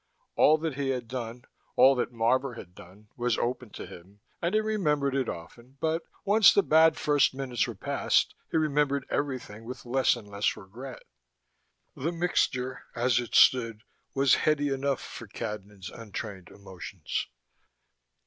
All that he had done, all that Marvor had done, was open to him, and he remembered it often but, once the bad first minutes were past, he remembered everything with less and less regret. The mixture, as it stood, was heady enough for Cadnan's untrained emotions.